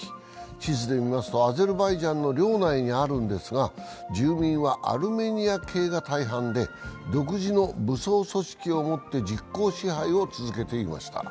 地図で見ますとアゼルバイジャンの領内にあるんですが、住民はアルメニア系が大半で独自の武装組織を持って実効支配を続けていました。